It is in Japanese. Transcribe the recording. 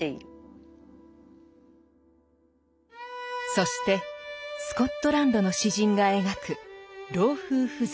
そしてスコットランドの詩人が描く老夫婦像。